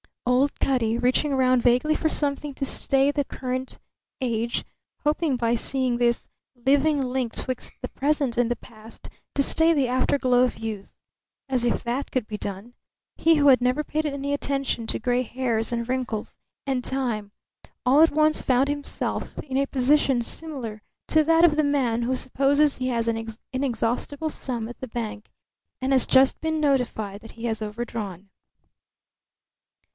Old Cutty, reaching round vaguely for something to stay the current age; hoping by seeing this living link 'twixt the present and the past to stay the afterglow of youth. As if that could be done! He, who had never paid any attention to gray hairs and wrinkles and time, all at once found himself in a position similar to that of the man who supposes he has an inexhaustible sum at the bank and has just been notified that he has overdrawn.